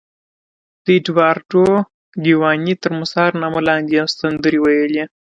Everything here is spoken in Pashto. د اېډوارډو ګیواني تر مستعار نامه لاندې یې سندرې ویلې.